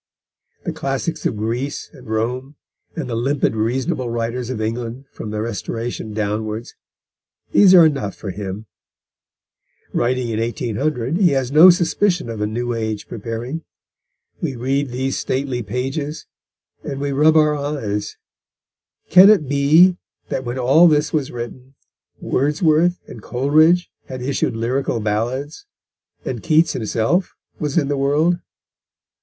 The classics of Greece and Rome, and the limpid reasonable writers of England from the Restoration downwards, these are enough for him. Writing in 1800 he has no suspicion of a new age preparing. We read these stately pages, and we rub our eyes. Can it be that when all this was written, Wordsworth and Coleridge had issued Lyrical Ballads, and Keats himself was in the world?